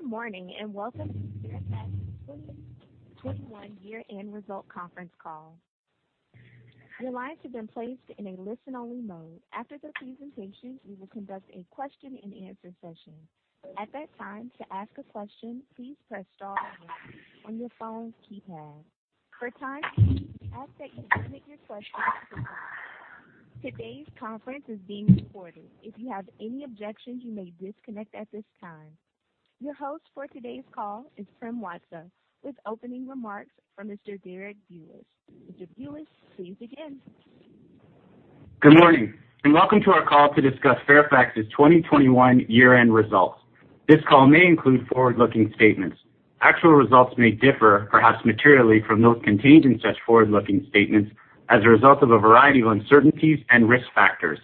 Good morning, and welcome to Fairfax's 2021 year-end result conference call. Your lines have been placed in a listen-only mode. After the presentations, we will conduct a question-and-answer session. At that time, to ask a question, please press star one on your phone's keypad. For time, we ask that you submit your questions. Today's conference is being recorded. If you have any objections, you may disconnect at this time. Your host for today's call is Prem Watsa, with opening remarks from Mr. Derek Bulas. Mr. Bulas, please begin. Good morning, and welcome to our call to discuss Fairfax's 2021 year-end results. This call may include forward-looking statements. Actual results may differ, perhaps materially, from those contained in such forward-looking statements as a result of a variety of uncertainties and risk factors,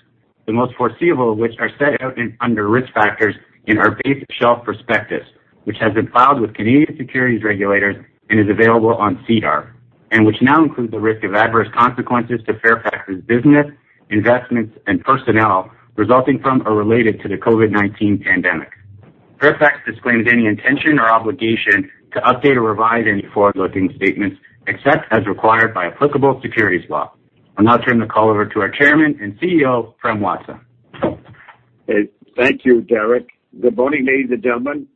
the most foreseeable of which are set out under Risk Factors in our basic shelf prospectus, which has been filed with Canadian securities regulators and is available on SEDAR, and which now includes the risk of adverse consequences to Fairfax's business, investments, and personnel resulting from or related to the COVID-19 pandemic. Fairfax disclaims any intention or obligation to update or revise any forward-looking statements except as required by applicable securities law. I'll now turn the call over to our Chairman and CEO, Prem Watsa. Thank you, Derek. Good morning, ladies and gentlemen.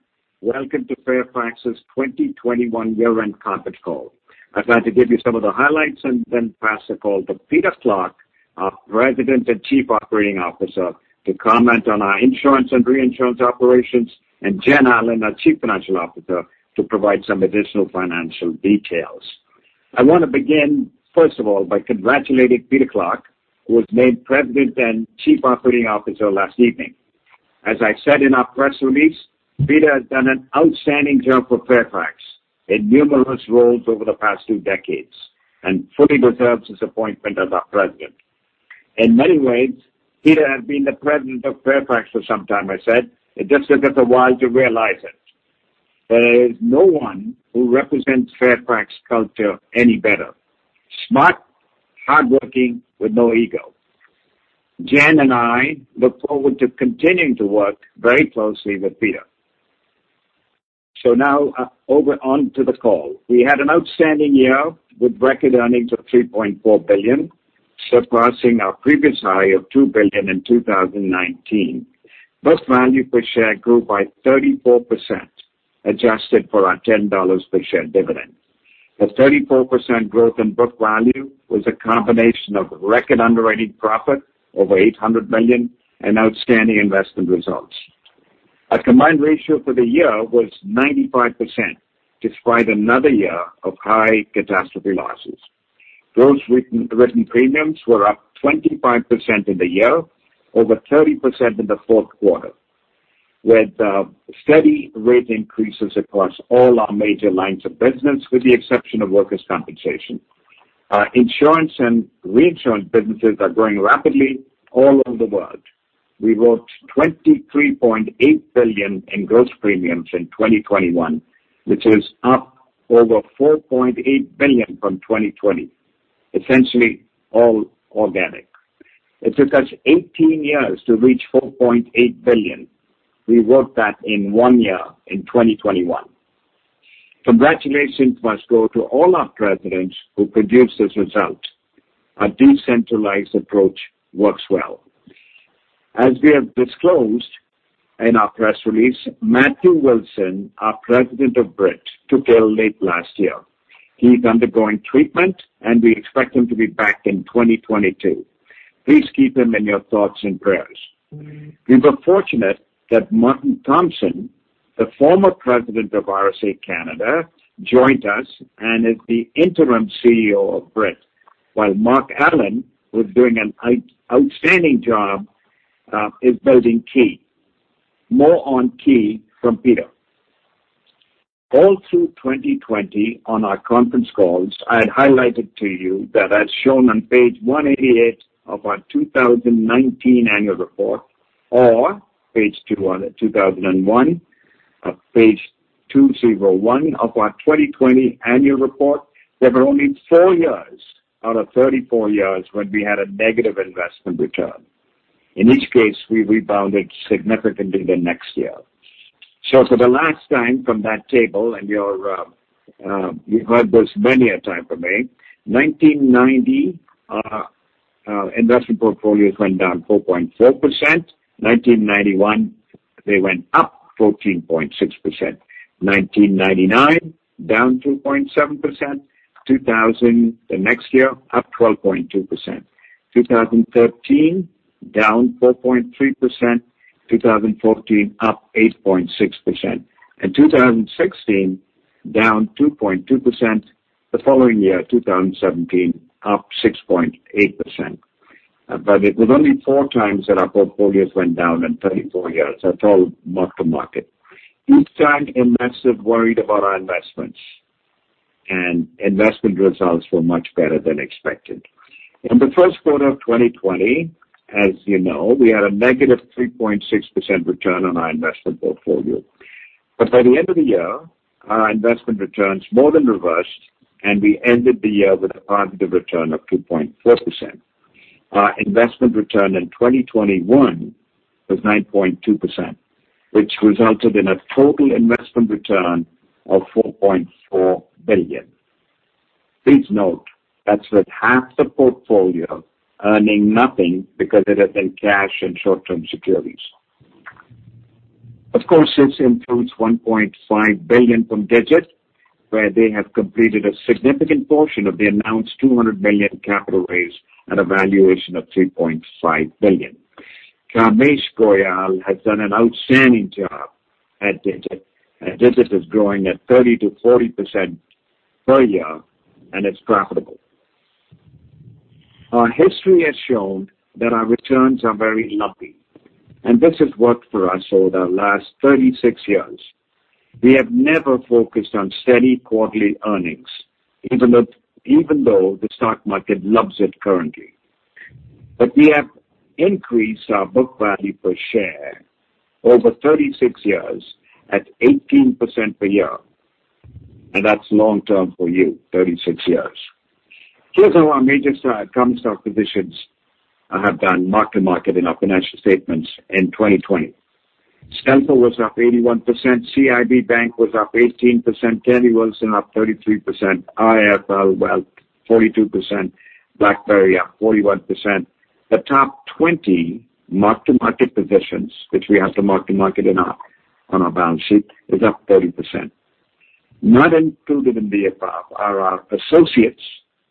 Welcome to Fairfax's 2021 year-end conference call. I'd like to give you some of the highlights and then pass the call to Peter Clarke, our President and Chief Operating Officer, to comment on our insurance and reinsurance operations, and Jen Allen, our Chief Financial Officer, to provide some additional financial details. I wanna begin, first of all, by congratulating Peter Clarke, who was made President and Chief Operating Officer last evening. As I said in our press release, Peter has done an outstanding job for Fairfax in numerous roles over the past two decades and fully deserves his appointment as our President. In many ways, Peter has been the President of Fairfax for some time, I said. It just took us a while to realize it. There is no one who represents Fairfax culture any better. Smart, hardworking, with no ego. Jen and I look forward to continuing to work very closely with Peter. We had an outstanding year with record earnings of $3.4 billion, surpassing our previous high of $2 billion in 2019. Book value per share grew by 34%, adjusted for our $10 per share dividend. The 34% growth in book value was a combination of record underwriting profit over $800 million and outstanding investment results. Our combined ratio for the year was 95%, despite another year of high catastrophe losses. Gross written premiums were up 25% in the year, over 30% in the fourth quarter, with steady rate increases across all our major lines of business, with the exception of workers' compensation. Our insurance and reinsurance businesses are growing rapidly all over the world. We wrote $23.8 billion in gross premiums in 2021, which is up over $4.8 billion from 2020, essentially all organic. It took us 18 years to reach $4.8 billion. We worked that in one year in 2021. Congratulations must go to all our presidents who produced this result. Our decentralized approach works well. As we have disclosed in our press release, Matthew Wilson, our president of Brit, took ill late last year. He's undergoing treatment, and we expect him to be back in 2022. Please keep him in your thoughts and prayers. We were fortunate that Martin Thompson, the former president of RSA Canada, joined us and is the interim CEO of Brit, while Mark Allen, who's doing an outstanding job, is building Ki. More on Ki from Peter. All through 2020 on our conference calls, I had highlighted to you that as shown on page 188 of our 2019 annual report or page 201 of our 2020 annual report, there were only four years out of 34 years when we had a negative investment return. In each case, we rebounded significantly the next year. For the last time from that table, and you've heard this many a time from me. 1990, investment portfolios went down 4.4%. 1991, they went up 14.6%. 1999, down 2.7%. 2000, the next year, up 12.2%. 2013, down 4.3%. 2014, up 8.6%. In 2016, down 2.2%. The following year, 2017, up 6.8%. It was only four times that our portfolios went down in 34 years at all mark to market. Each time, investors worried about our investments, and investment results were much better than expected. In the first quarter of 2020, as you know, we had a negative 3.6% return on our investment portfolio. By the end of the year, our investment returns more than reversed, and we ended the year with a positive return of 2.4%. Our investment return in 2021 was 9.2%, which resulted in a total investment return of $4.4 billion. Please note that's with half the portfolio earning nothing because it is in cash and short-term securities. Of course, this includes $1.5 billion from Digit, where they have completed a significant portion of the announced $200 million capital raise at a valuation of $3.5 billion. Kamesh Goyal has done an outstanding job at Digit, and Digit is growing at 30%-40% per year, and it's profitable. Our history has shown that our returns are very lumpy, and this has worked for us over the last 36 years. We have never focused on steady quarterly earnings, even though the stock market loves it currently. We have increased our book value per share over 36 years at 18% per year. That's long-term for you, 36 years. Here's how our major common stock positions have done mark to market in our financial statements in 2020. Stamper was up 81%. CIB Bank was up 18%. Terry Wilson up 33%. IIFL Wealth, 42%. BlackBerry, up 41%. The top 20 mark to market positions, which we have to mark to market in our, on our balance sheet, is up 30%. Not included in the above are our associates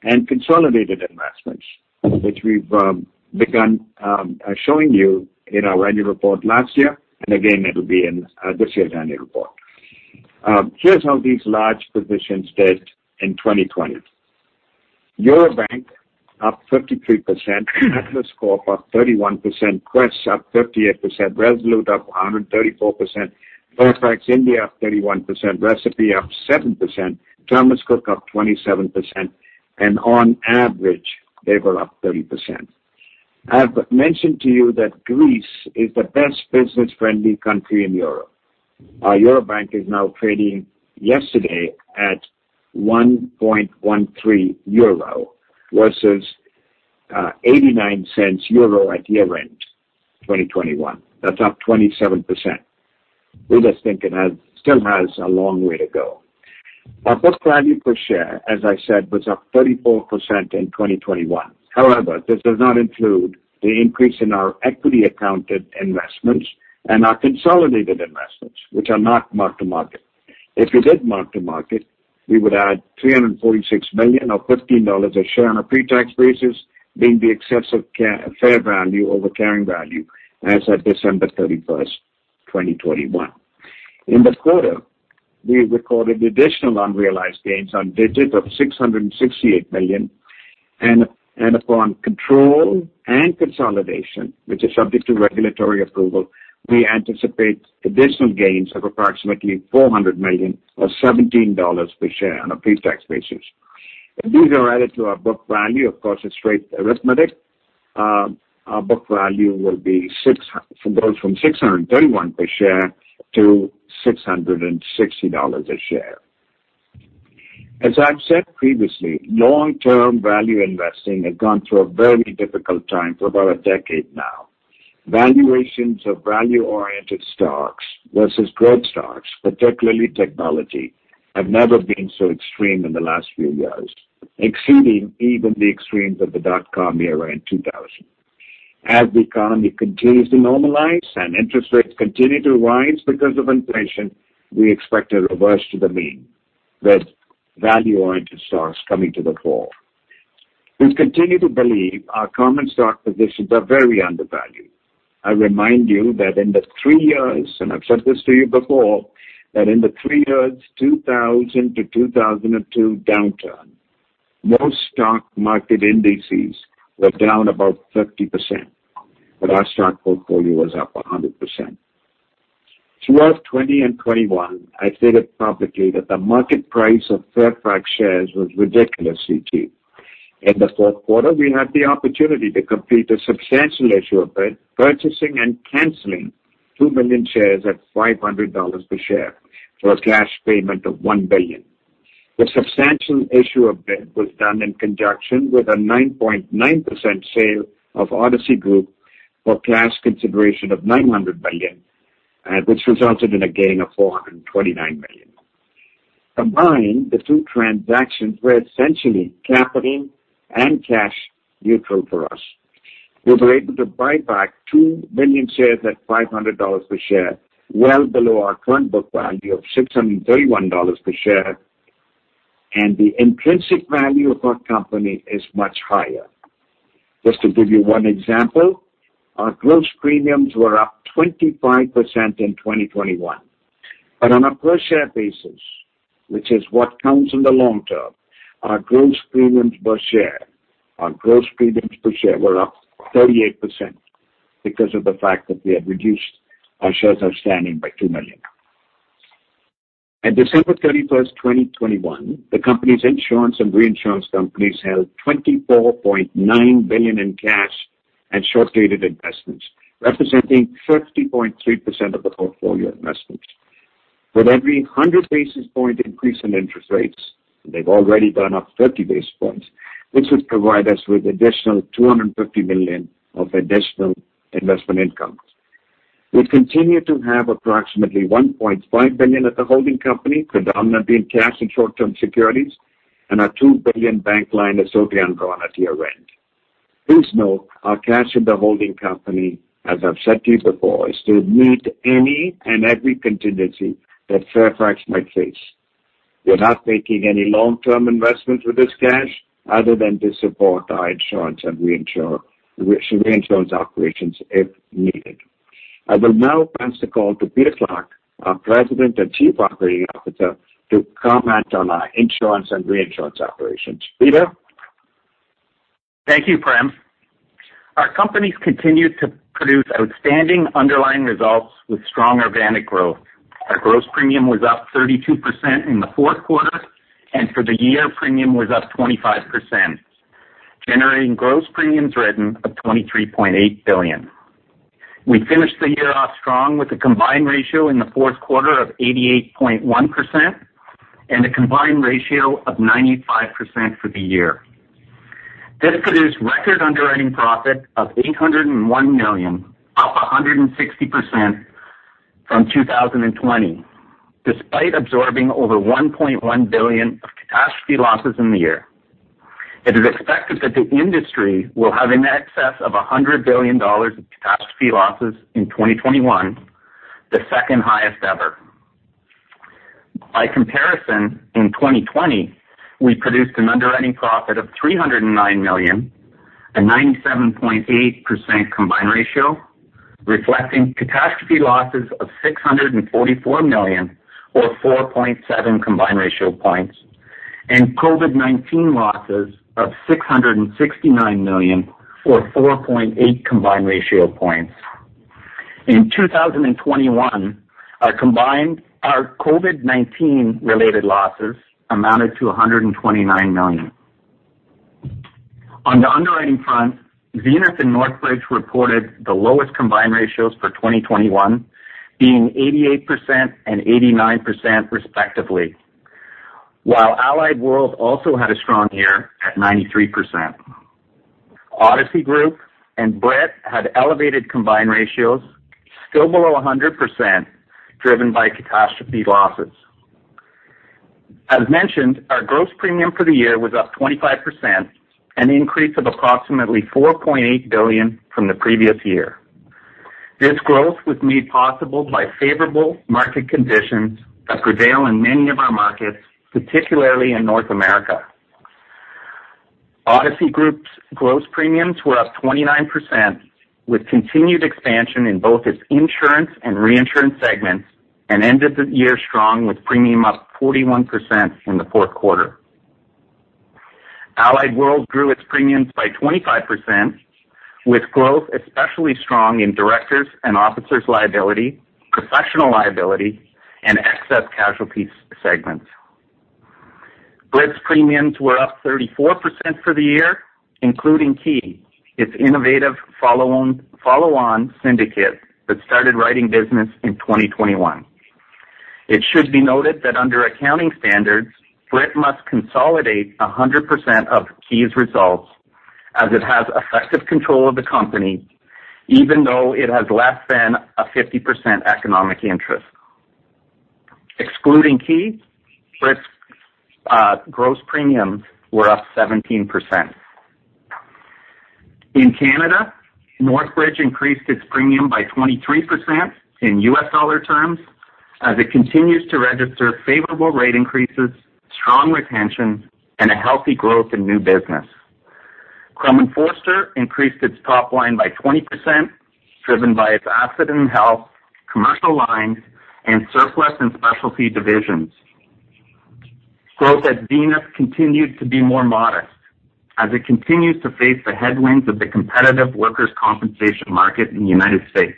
and consolidated investments, which we've begun showing you in our annual report last year. It'll be in this year's annual report. Here's how these large positions did in 2020. Eurobank up 33%. Atlas Corp up 31%. Quess up 38%. Resolute up 134%. Fairfax India up 31%. Recipe up 7%. Thomas Cook up 27%. On average, they were up 30%. I've mentioned to you that Greece is the best business-friendly country in Europe. Our Eurobank is now trading yesterday at 1.13 euro versus eighty-nine cents euro at year-end 2021. That's up 27%. We just think it still has a long way to go. Our book value per share, as I said, was up 34% in 2021. However, this does not include the increase in our equity accounted investments and our consolidated investments, which are not mark to market. If we did mark to market, we would add $346 million, or $15 a share on a pre-tax basis, being the excess of fair value over carrying value as of December 31st, 2021. In the quarter, we recorded additional unrealized gains on Digit of $668 million. Upon control and consolidation, which is subject to regulatory approval, we anticipate additional gains of approximately $400 million or $17 per share on a pre-tax basis. If these are added to our book value, of course, it's straight arithmetic, our book value will go from $631 per share to $660 a share. As I've said previously, long-term value investing had gone through a very difficult time for about a decade now. Valuations of value-oriented stocks versus growth stocks, particularly technology, have never been so extreme in the last few years, exceeding even the extremes of the dotcom era in 2000. As the economy continues to normalize and interest rates continue to rise because of inflation, we expect a reverse to the mean, with value-oriented stocks coming to the fore. We continue to believe our common stock positions are very undervalued. I remind you that in the three years, and I've said this to you before, two thousand to two thousand and two downturn, most stock market indices were down about 50%, but our stock portfolio was up 100%. Throughout 2020 and 2021, I stated publicly that the market price of Fairfax shares was ridiculously cheap. In the fourth quarter, we had the opportunity to complete a substantial issuer bid for purchasing and canceling two million shares at $500 per share for a cash payment of $1 billion. The substantial issuer bid was done in conjunction with a 9.9% sale of Odyssey Group for cash consideration of $900 million, which resulted in a gain of $429 million. Combined, the two transactions were essentially capital and cash neutral for us. We were able to buy back two million shares at $500 per share, well below our current book value of $631 per share. The intrinsic value of our company is much higher. Just to give you one example, our gross premiums were up 25% in 2021. On a per share basis, which is what counts in the long-term, our gross premiums per share were up 38% because of the fact that we have reduced our shares outstanding by two million. At December 31st, 2021, the company's insurance and reinsurance companies held $24.9 billion in cash and short-dated investments, representing 50.3% of the portfolio investments. With every 100 basis point increase in interest rates, they've already gone up 30 basis points. This would provide us with additional $250 million of additional investment income. We continue to have approximately $1.5 billion at the holding company, predominantly in cash and short-term securities, and our $2 billion bank line is totally drawn at year-end. Please note our cash in the holding company, as I've said to you before, is to meet any and every contingency that Fairfax might face. We're not making any long-term investments with this cash other than to support our insurance and reinsurance operations if needed. I will now pass the call to Peter Clarke, our President and Chief Operating Officer, to comment on our insurance and reinsurance operations. Peter? Thank you, Prem. Our companies continued to produce outstanding underlying results with strong organic growth. Our gross premium was up 32% in the fourth quarter, and for the year, premium was up 25%, generating gross premiums written of $23.8 billion. We finished the year off strong with a combined ratio in the fourth quarter of 88.1% and a combined ratio of 95% for the year. This produced record underwriting profit of $801 million, up 160% from 2020, despite absorbing over $1.1 billion of catastrophe losses in the year. It is expected that the industry will have in excess of $100 billion of catastrophe losses in 2021, the second-highest ever. By comparison, in 2020, we produced an underwriting profit of $309 million, a 97.8% combined ratio, reflecting catastrophe losses of $644 million or 4.7 combined ratio points, and COVID-19 losses of $669 million or 4.8 combined ratio points. In 2021, our COVID-19-related losses amounted to $129 million. On the underwriting front, Zenith and Northbridge reported the lowest combined ratios for 2021, being 88% and 89% respectively, while Allied World also had a strong year at 93%. Odyssey Group and Brit had elevated combined ratios still below 100% driven by catastrophe losses. As mentioned, our gross premium for the year was up 25%, an increase of approximately $4.8 billion from the previous year. This growth was made possible by favorable market conditions that prevail in many of our markets, particularly in North America. Odyssey Group's gross premiums were up 29%, with continued expansion in both its insurance and reinsurance segments and ended the year strong with premium up 41% in the fourth quarter. Allied World grew its premiums by 25%, with growth especially strong in directors and officers liability, professional liability, and excess casualty segments. Brit's premiums were up 34% for the year, including Ki, its innovative follow-on syndicate that started writing business in 2021. It should be noted that under accounting standards, Brit must consolidate 100% of Ki's results as it has effective control of the company, even though it has less than a 50% economic interest. Excluding Ki, Brit's gross premiums were up 17%. In Canada, Northbridge increased its premium by 23% in U.S. dollar terms as it continues to register favorable rate increases, strong retention, and a healthy growth in new business. Crum & Forster increased its top line by 20%, driven by its accident and health, commercial lines, and surplus and specialty divisions. Growth at Zenith continued to be more modest as it continues to face the headwinds of the competitive workers' compensation market in the United States.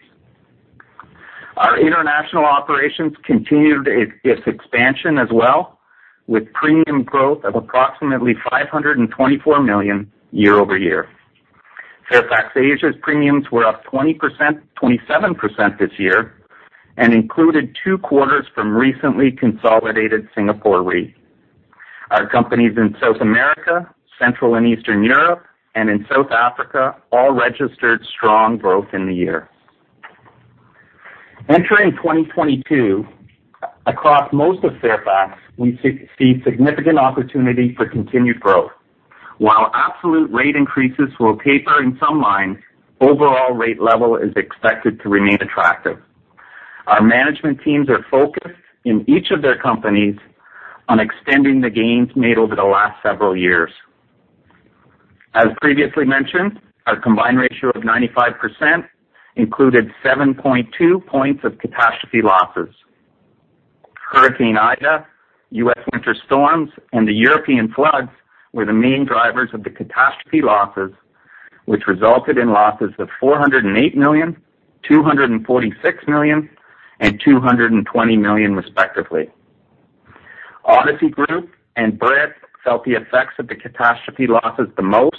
Our international operations continued its expansion as well with premium growth of approximately $524 million year-over-year. Fairfax Asia's premiums were up 27% this year and included two quarters from recently consolidated Singapore Re. Our companies in South America, Central and Eastern Europe, and in South Africa all registered strong growth in the year. Entering 2022, across most of Fairfax, we see significant opportunity for continued growth. While absolute rate increases will taper in some lines, overall rate level is expected to remain attractive. Our management teams are focused in each of their companies on extending the gains made over the last several years. As previously mentioned, our combined ratio of 95% included 7.2 points of catastrophe losses. Hurricane Ida, U.S. winter storms, and the European floods were the main drivers of the catastrophe losses, which resulted in losses of $408 million, $246 million, and $220 million respectively. Odyssey Group and Brit felt the effects of the catastrophe losses the most,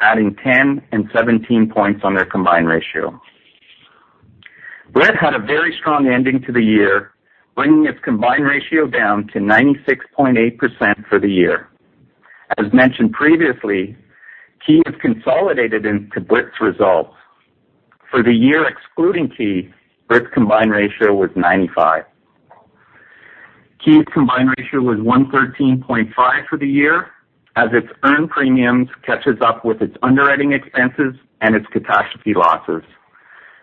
adding 10 and 17 points on their combined ratio. Brit had a very strong ending to the year, bringing its combined ratio down to 96.8% for the year. As mentioned previously, Ki is consolidated into Brit's results. For the year excluding Ki, Brit's combined ratio was 95%. Ki's combined ratio was 113.5% for the year as its earned premiums catches up with its underwriting expenses and its catastrophe losses.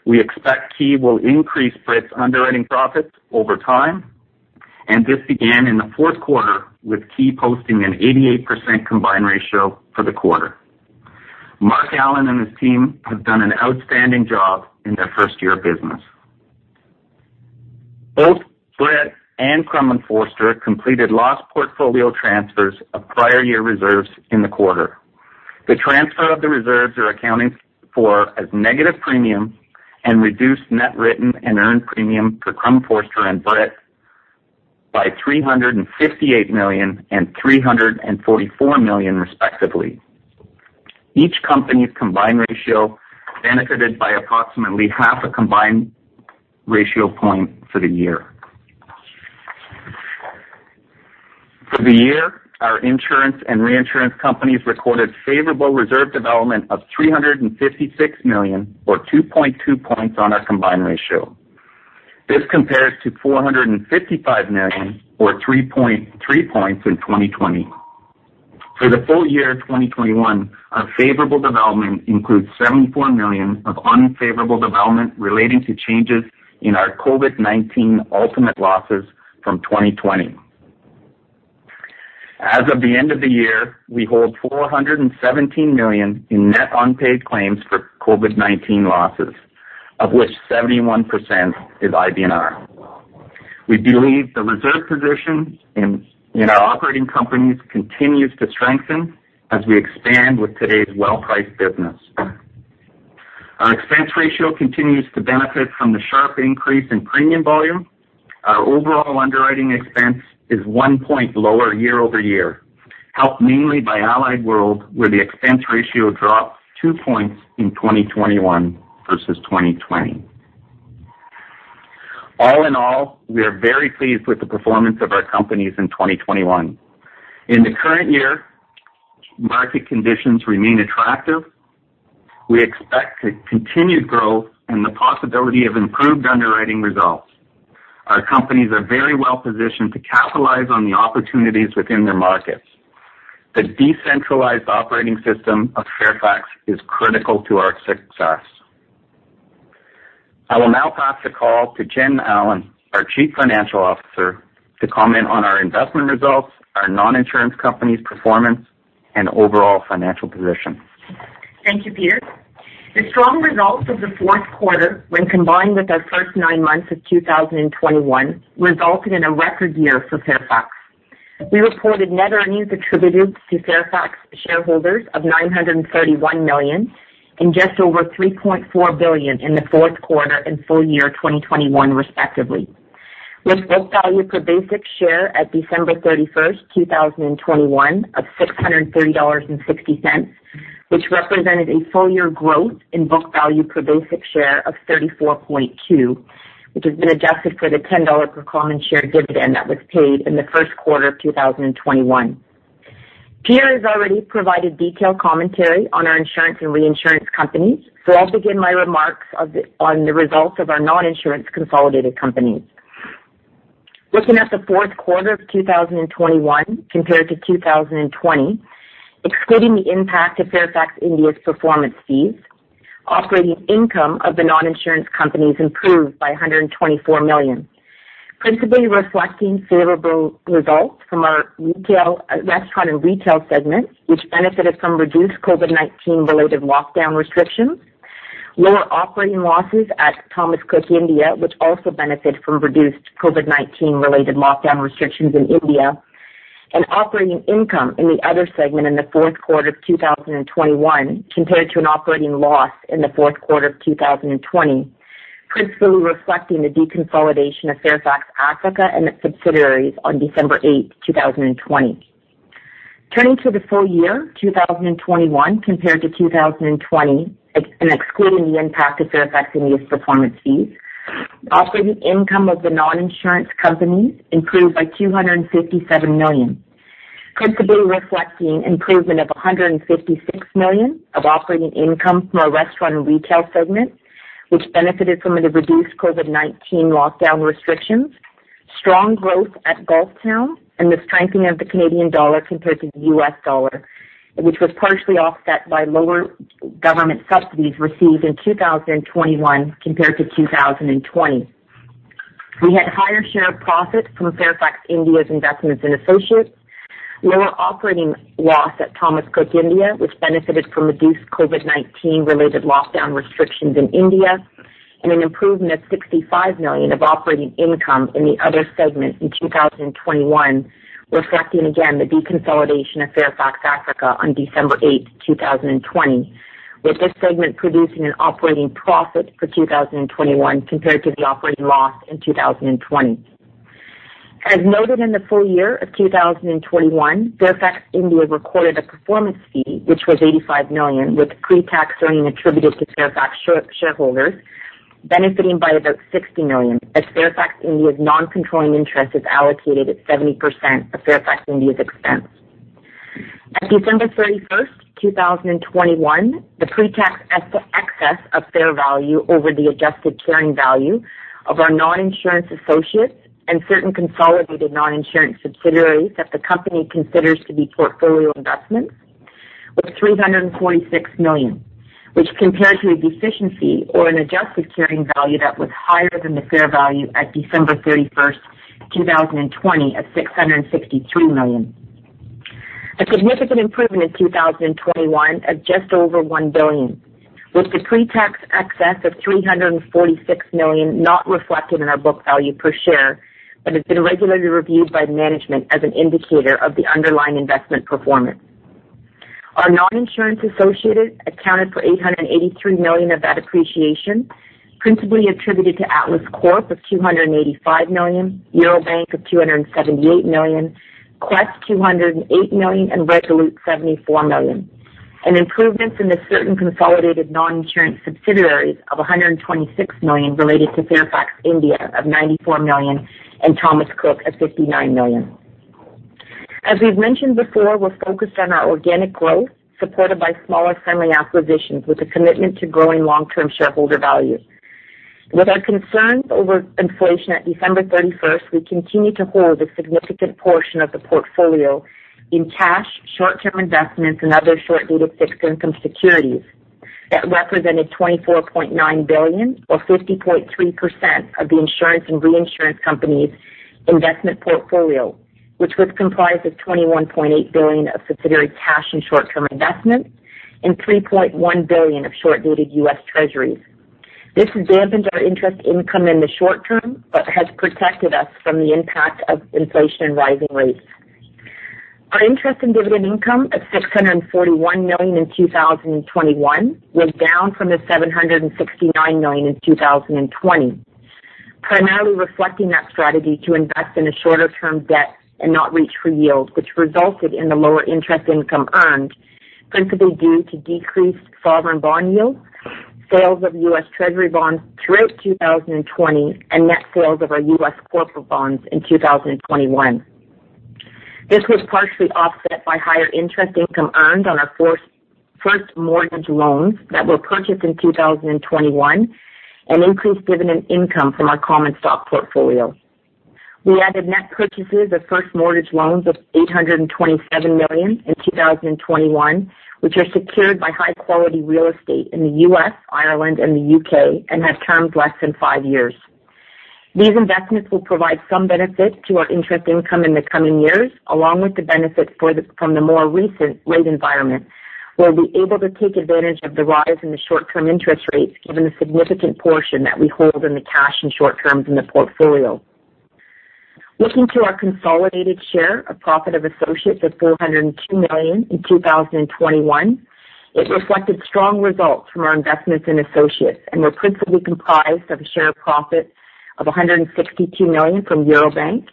We expect Ki will increase Brit's underwriting profits over time, and this began in the fourth quarter with Ki posting an 88% combined ratio for the quarter. Mark Allan and his team have done an outstanding job in their first year of business. Both Brit and Crum & Forster completed loss portfolio transfers of prior year reserves in the quarter. The transfer of the reserves are accounted for as negative premium and reduced net written and earned premium for Crum & Forster and Brit by $358 million and $344 million respectively. Each company's combined ratio benefited by approximately half a combined ratio point for the year. For the year, our insurance and reinsurance companies recorded favorable reserve development of $356 million, or 2.2 points on our combined ratio. This compares to $455 million or 3.3 points in 2020. For the full year 2021, our favorable development includes $74 million of unfavorable development relating to changes in our COVID-19 ultimate losses from 2020. As of the end of the year, we hold $417 million in net unpaid claims for COVID-19 losses, of which 71% is IBNR. We believe the reserve position in our operating companies continues to strengthen as we expand with today's well-priced business. Our expense ratio continues to benefit from the sharp increase in premium volume. Our overall underwriting expense is one point lower year-over-year, helped mainly by Allied World, where the expense ratio dropped two points in 2021 versus 2020. All in all, we are very pleased with the performance of our companies in 2021. In the current year, market conditions remain attractive. We expect continued growth and the possibility of improved underwriting results. Our companies are very well-positioned to capitalize on the opportunities within their markets. The decentralized operating system of Fairfax is critical to our success. I will now pass the call to Jen Allen, our Chief Financial Officer, to comment on our investment results, our non-insurance companies' performance, and overall financial position. Thank you, Peter. The strong results of the fourth quarter, when combined with our first nine months of 2021, resulted in a record year for Fairfax. We reported net earnings attributed to Fairfax shareholders of $931 million and just over $3.4 billion in the fourth quarter and full year 2021 respectively, with book value per basic share at December 31st, 2021 of $630.60, which represented a full-year growth in book value per basic share of 34.2%, which has been adjusted for the $10 per common share dividend that was paid in the first quarter of 2021. Peter has already provided detailed commentary on our insurance and reinsurance companies, so I'll begin my remarks on the results of our non-insurance consolidated companies. Looking at the fourth quarter of 2021 compared to 2020, excluding the impact of Fairfax India's performance fees, operating income of the non-insurance companies improved by $124 million, principally reflecting favorable results from our restaurant and retail segments, which benefited from reduced COVID-19 related lockdown restrictions, lower operating losses at Thomas Cook India, which also benefited from reduced COVID-19 related lockdown restrictions in India, and operating income in the other segment in the fourth quarter of 2021 compared to an operating loss in the fourth quarter of 2020, principally reflecting the deconsolidation of Fairfax Africa and its subsidiaries on December 8th, 2020. Turning to the full year, 2021 compared to 2020, excluding the impact of Fairfax India's performance fees, operating income of the non-insurance companies improved by $257 million, principally reflecting improvement of $156 million of operating income from our restaurant and retail segment, which benefited from the reduced COVID-19 lockdown restrictions, strong growth at Golf Town, and the strengthening of the Canadian dollar compared to the U.S. dollar, which was partially offset by lower government subsidies received in 2021 compared to 2020. We had higher share profit from Fairfax India's investments in associates, lower operating loss at Thomas Cook India, which benefited from reduced COVID-19 related lockdown restrictions in India. An improvement of $65 million of operating income in the other segment in 2021, reflecting again the deconsolidation of Fairfax Africa on December 8th, 2020, with this segment producing an operating profit for 2021 compared to the operating loss in 2020. As noted in the full year of 2021, Fairfax India recorded a performance fee which was $85 million, with pretax earnings attributed to Fairfax shareholders benefiting by about $60 million, as Fairfax India's non-controlling interest is allocated at 70% of Fairfax India's expense. At December 31st, 2021, the pretax excess of fair value over the adjusted carrying value of our non-insurance associates and certain consolidated non-insurance subsidiaries that the company considers to be portfolio investments was $346 million, which compared to a deficiency or an adjusted carrying value that was higher than the fair value at December 31st, 2020, at $663 million. A significant improvement in 2021 at just over $1 billion, with the pretax excess of $346 million not reflected in our book value per share, but has been regularly reviewed by management as an indicator of the underlying investment performance. Our non-insurance associates accounted for $883 million of that appreciation, principally attributed to Atlas Corp. of $285 million, Eurobank of $278 million, Quess $208 million, and Resolute $74 million. Improvements in certain consolidated non-insurance subsidiaries of $126 million related to Fairfax India of $94 million, and Thomas Cook at $59 million. As we've mentioned before, we're focused on our organic growth, supported by smaller friendly acquisitions with a commitment to growing long-term shareholder value. With our concerns over inflation at December 31st, we continue to hold a significant portion of the portfolio in cash, short-term investments, and other short-dated fixed income securities that represented $24.9 billion or 50.3% of the insurance and reinsurance company's investment portfolio, which was comprised of $21.8 billion of subsidiary cash and short-term investments, and $3.1 billion of short-dated U.S. Treasuries. This dampened our interest income in the short term, but has protected us from the impact of inflation and rising rates. Our interest and dividend income of $641 million in 2021 was down from the $769 million in 2020, primarily reflecting that strategy to invest in a shorter-term debt and not reach for yield, which resulted in the lower interest income earned principally due to decreased sovereign bond yields, sales of U.S. Treasury bonds throughout 2020, and net sales of our U.S. corporate bonds in 2021. This was partially offset by higher interest income earned on our first mortgage loans that were purchased in 2021, and increased dividend income from our common stock portfolio. We added net purchases of first mortgage loans of $827 million in 2021, which are secured by high-quality real estate in the U.S., Ireland, and the U.K., and have terms less than five years. These investments will provide some benefit to our interest income in the coming years, along with the benefit from the more recent rate environment. We'll be able to take advantage of the rise in the short-term interest rates given the significant portion that we hold in the cash and short terms in the portfolio. Looking to our consolidated share of profit of associates of $402 million in 2021, it reflected strong results from our investments in associates and were principally comprised of a share of profit of $162 million from Eurobank,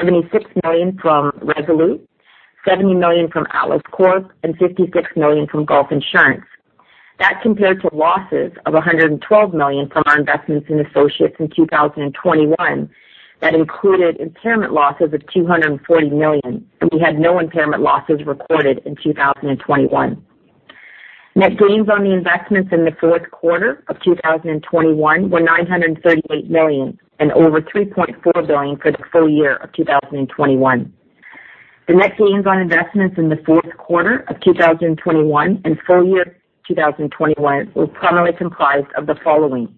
$76 million from Resolute, $70 million from Atlas Corp, and $56 million from Gulf Insurance. That compared to losses of $112 million from our investments in associates in 2021 that included impairment losses of $240 million, and we had no impairment losses recorded in 2021. Net gains on the investments in the fourth quarter of 2021 were $938 million, and over $3.4 billion for the full year of 2021. The net gains on investments in the fourth quarter of 2021 and full year 2021 were primarily comprised of the following.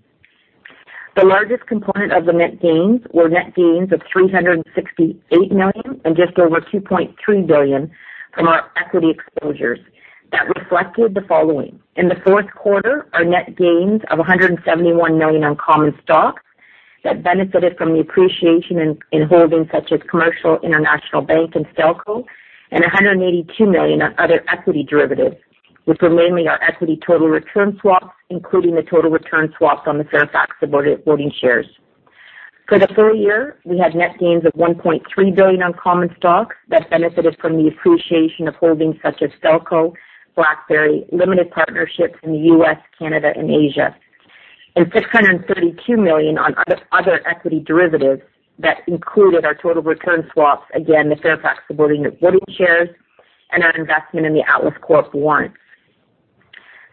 The largest component of the net gains were net gains of $368 million and just over $2.3 billion from our equity exposures that reflected the following. In the fourth quarter, our net gains of $171 million on common stock that benefited from the appreciation in holdings such as Commercial International Bank and Stelco, and $182 million on other equity derivatives, which were mainly our equity total return swaps, including the total return swaps on the Fairfax voting shares. For the full year, we had net gains of $1.3 billion on common stock that benefited from the appreciation of holdings such as Stelco, BlackBerry, limited partnerships in the U.S., Canada, and Asia. In $632 million on other equity derivatives that included our total return swaps, again, the Fairfax voting shares, and our investment in the Atlas Corp warrants.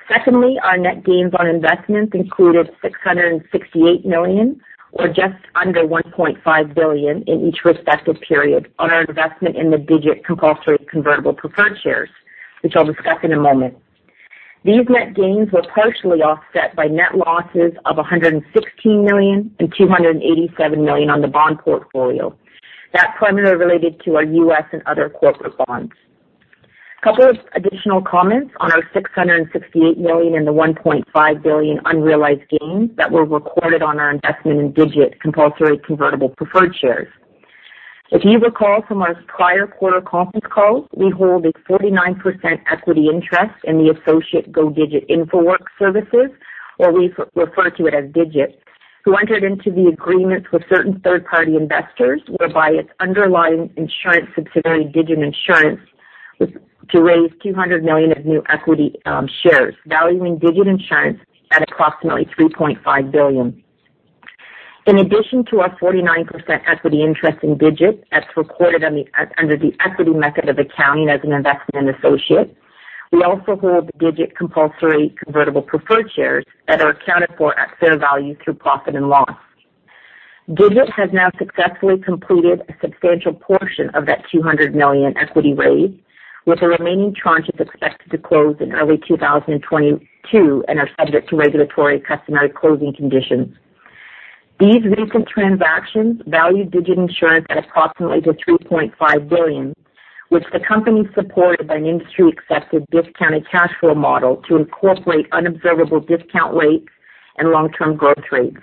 Secondly, our net gains on investments included $668 million or just under $1.5 billion in each respective period on our investment in the Digit compulsory convertible preferred shares, which I'll discuss in a moment. These net gains were partially offset by net losses of $116 million and $287 million on the bond portfolio. That primarily related to our U.S. and other corporate bonds. Couple of additional comments on our $668 million and the $1.5 billion unrealized gains that were recorded on our investment in Digit compulsory convertible preferred shares. If you recall from our prior quarter conference call, we hold a 49% equity interest in the associate Go Digit Infoworks Services, or we refer to it as Digit, who entered into the agreement with certain third party investors whereby its underlying insurance subsidiary, Digit Insurance, was to raise $200 million of new equity shares, valuing Digit Insurance at approximately $3.5 billion. In addition to our 49% equity interest in Digit, as recorded under the equity method of accounting as an investment associate, we also hold Digit compulsory convertible preferred shares that are accounted for at fair value through profit and loss. Digit has now successfully completed a substantial portion of that $200 million equity raise, with the remaining tranche expected to close in early 2022 and subject to regulatory customary closing conditions. These recent transactions value Digit Insurance at approximately $3.5 billion, which the company supported by an industry-accepted discounted cash flow model to incorporate unobservable discount rates and long-term growth rates.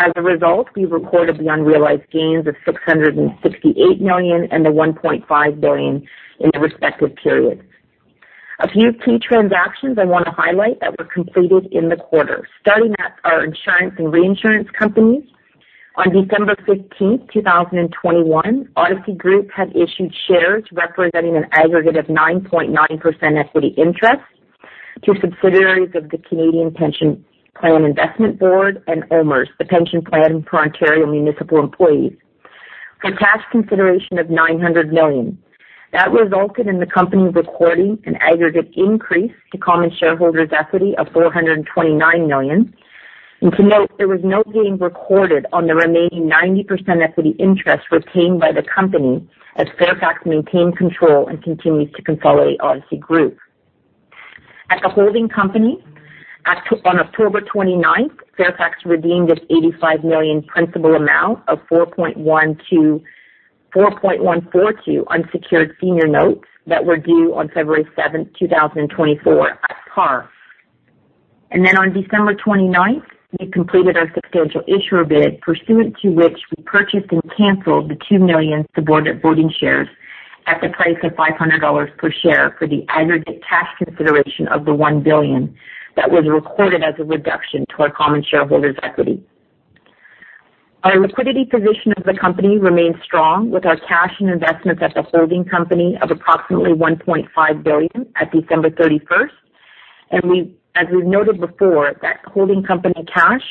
As a result, we recorded the unrealized gains of $668 million and $1.5 billion in the respective periods. A few key transactions I wanna highlight that were completed in the quarter, starting at our insurance and reinsurance companies. On December 15th, 2021, Odyssey Group had issued shares representing an aggregate of 9.9% equity interest to subsidiaries of the Canadian Pension Plan Investment Board and OMERS, the pension plan for Ontario municipal employees, for cash consideration of $900 million. That resulted in the company recording an aggregate increase to common shareholders equity of $429 million. To note, there was no gain recorded on the remaining 90% equity interest retained by the company as Fairfax maintained control and continues to consolidate Odyssey Group. At the holding company, on October 29th, Fairfax redeemed its $85 million principal amount of 4.142% unsecured senior notes that were due on February 7th, 2024 at par. Then on December 29th, we completed our substantial issuer bid, pursuant to which we purchased and canceled two million subordinate voting shares at the price of $500 per share for the aggregate cash consideration of $1 billion that was recorded as a reduction to our common shareholders' equity. Our liquidity position of the company remains strong with our cash and investments at the holding company of approximately $1.5 billion at December 31st. We, as we've noted before, that holding company cash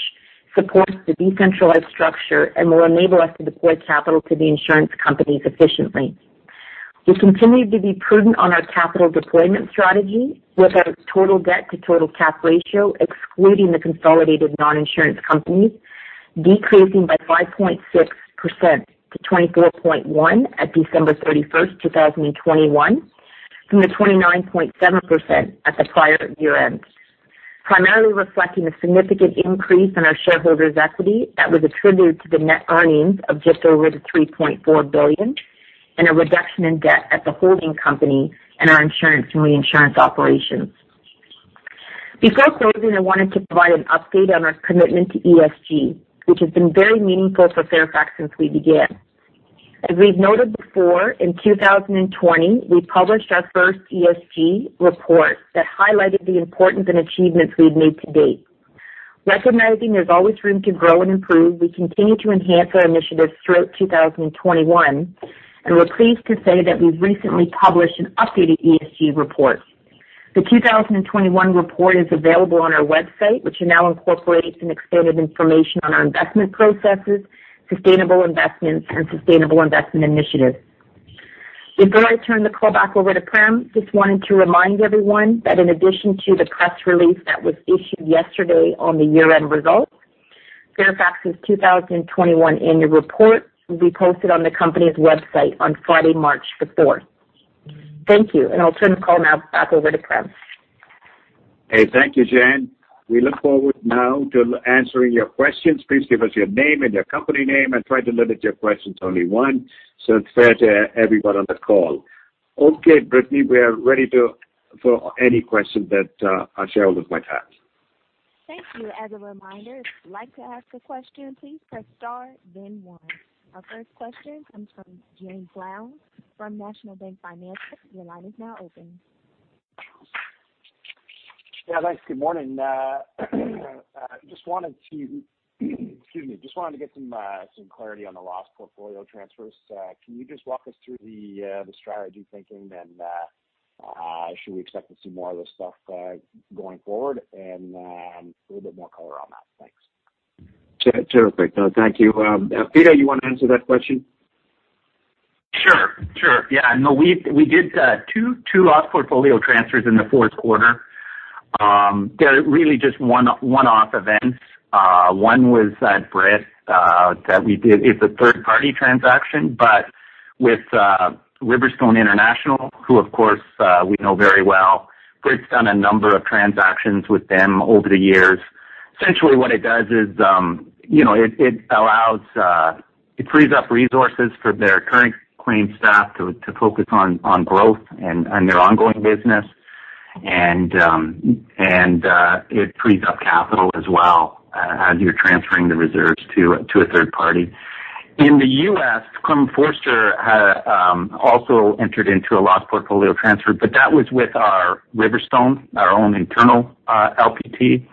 supports the decentralized structure and will enable us to deploy capital to the insurance companies efficiently. We continued to be prudent on our capital deployment strategy with our total debt to total cap ratio, excluding the consolidated non-insurance companies, decreasing by 5.6% to 24.1% at December 31st, 2021, from the 29.7% at the prior year-end, primarily reflecting the significant increase in our shareholders' equity that was attributed to the net earnings of just over the $3.4 billion and a reduction in debt at the holding company and our insurance and reinsurance operations. Before closing, I wanted to provide an update on our commitment to ESG, which has been very meaningful for Fairfax since we began. As we've noted before, in 2020, we published our first ESG report that highlighted the importance and achievements we've made to date. Recognizing there's always room to grow and improve, we continue to enhance our initiatives throughout 2021, and we're pleased to say that we've recently published an updated ESG report. The 2021 report is available on our website, which now incorporates some expanded information on our investment processes, sustainable investments, and sustainable investment initiatives. Before I turn the call back over to Prem, just wanted to remind everyone that in addition to the press release that was issued yesterday on the year-end results, Fairfax's 2021 annual report will be posted on the company's website on Friday, March 4th. Thank you, and I'll turn the call now back over to Prem. Hey, thank you, Jen. We look forward now to answering your questions. Please give us your name and your company name, and try to limit your questions to only one so it's fair to everyone on the call. Okay, Brittany, we are ready for any questions that our shareholders might have. Thank you. As a reminder, if you'd like to ask a question, please press star then one. Our first question comes from Jaeme Gloyn from National Bank Financial. Your line is now open. Yeah, thanks. Good morning. Just wanted to get some clarity on the loss portfolio transfers. Can you just walk us through the strategy thinking? Should we expect to see more of this stuff going forward? A little bit more color on that. Thanks. Terrific. No, thank you. Peter, you wanna answer that question? Sure, sure. Yeah. No, we did two loss portfolio transfers in the fourth quarter. They're really just one-off events. One was that Brit that we did is a third-party transaction, but with RiverStone International, who of course we know very well. Brit's done a number of transactions with them over the years. Essentially what it does is, you know, it frees up resources for their current claim staff to focus on growth and their ongoing business. It frees up capital as well as you're transferring the reserves to a third party. In the U.S., Clem Forster also entered into a loss portfolio transfer, but that was with our RiverStone, our own internal LPT.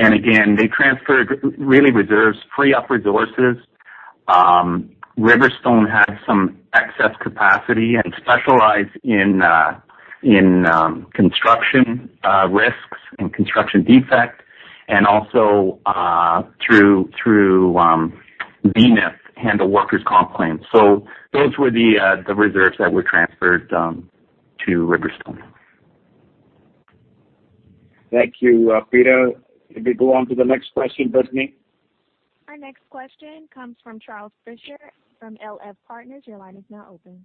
Again, they transferred their reserves, free up resources. RiverStone has some excess capacity and specialize in construction risks and construction defect, and also through BNFF handle workers' comp claims. So those were the reserves that were transferred to RiverStone. Thank you, Peter. If we go on to the next question, Brittany. Our next question comes from Charles Frischer from LF Partners. Your line is now open.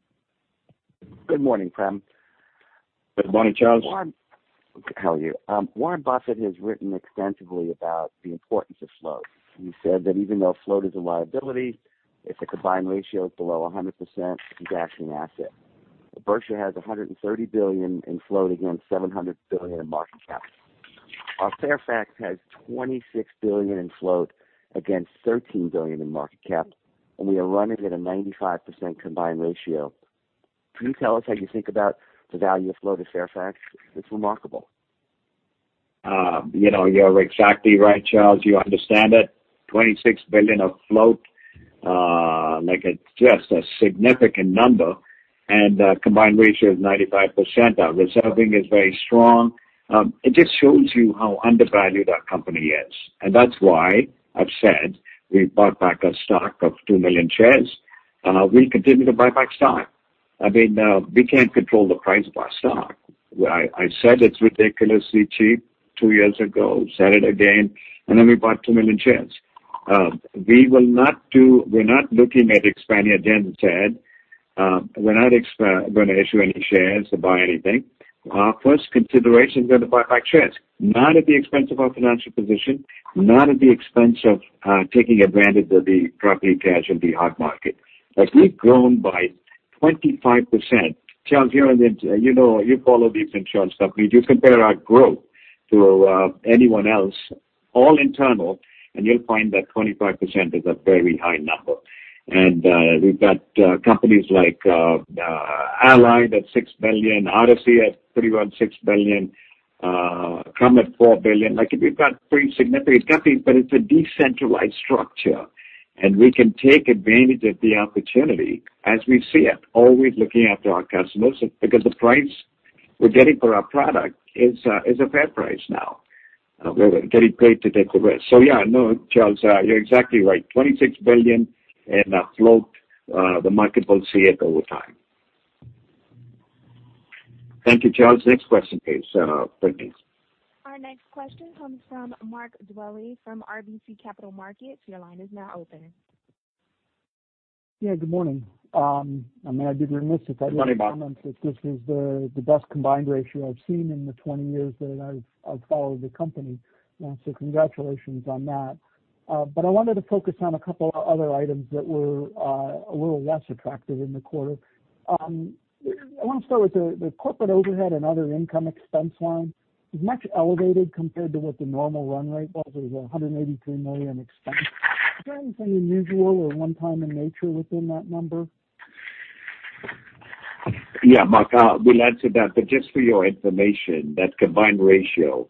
Good morning, Prem. Good morning, Charles. To tell you, Warren Buffett has written extensively about the importance of float. He said that even though float is a liability, if the combined ratio is below 100%, it's actually an asset. Berkshire has $130 billion in float against $700 billion in market cap. Our Fairfax has $26 billion in float against $13 billion in market cap, and we are running at a 95% combined ratio. Can you tell us how you think about the value of float of Fairfax? It's remarkable. You know, you're exactly right, Charles. You understand it. $26 billion of float, like it's just a significant number. Combined ratio is 95%. Our reserving is very strong. It just shows you how undervalued our company is. That's why I've said we bought back our stock of two million shares. We continue to buy back stock. I mean, we can't control the price of our stock. I said it's ridiculously cheap two years ago, said it again, and then we bought two million shares. We're not looking at expanding again, Ted. We're not gonna issue any shares or buy anything. Our first consideration is going to buy back shares, not at the expense of our financial position, not at the expense of taking advantage of the property cat in the hot market. As we've grown by 25%, Charles, you know, you follow these insurance companies, you compare our growth to anyone else, all internal, and you'll find that 25% is a very high number. We've got companies like Allied World at $6 billion, Odyssey Group at pretty well $6 billion, Crum & Forster at $4 billion. Like, we've got pretty significant companies, but it's a decentralized structure. We can take advantage of the opportunity as we see it, always looking after our customers, because the price we're getting for our product is a fair price now. We're getting paid to take the risk. Yeah, no, Charles, you're exactly right. $26 billion in float, the market will see it over time. Thank you, Charles. Next question, please, Brittany. Our next question comes from Mark Dwelle from RBC Capital Markets. Your line is now open. Yeah, good morning. I may be remiss if I didn't comment. Good morning, Mark. That this is the best combined ratio I've seen in the 20 years that I've followed the company. Congratulations on that. I wanted to focus on a couple of other items that were a little less attractive in the quarter. I want to start with the corporate overhead and other income expense line. It's much elevated compared to what the normal run rate was. It was $183 million expense. Is there anything unusual or one-time in nature within that number? Yeah, Mark, we'll answer that. Just for your information, that combined ratio,